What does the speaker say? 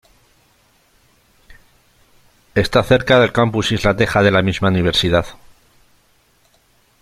Está cerca del "Campus Isla Teja," de la misma Universidad.